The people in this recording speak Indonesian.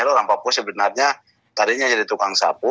loh tanpa papua sebenarnya tadinya jadi tukang sapu